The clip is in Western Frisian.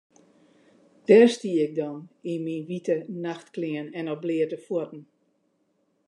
Dêr stie ik dan yn myn wite nachtklean en op bleate fuotten.